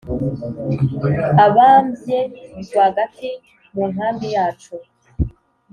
abambye rwagati munkambi yacu.